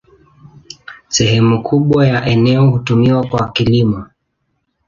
Sehemu kubwa ya eneo hutumiwa kwa kilimo.